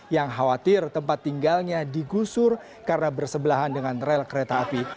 yang khawatir tempat tinggalnya digusur karena bersebelahan dengan rel kereta api